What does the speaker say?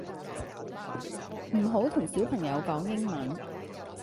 唔好同小朋友講英文